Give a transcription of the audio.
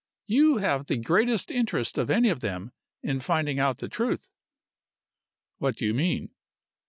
You have the greatest interest of any of them in finding out the truth." "What do you mean?"